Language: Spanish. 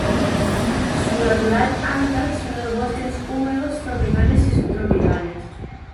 Su natural hábitat son los bosques húmedos tropicales y subtropicales.